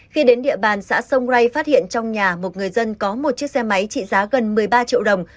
khi đến địa bàn xã sông rai phát hiện trong nhà một người dân có một chiếc xe máy trị giá gần một mươi ba triệu đồng